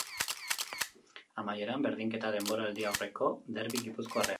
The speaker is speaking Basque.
Amaieran, berdinketa denboraldiaurreko derbi gipuzkoarrean.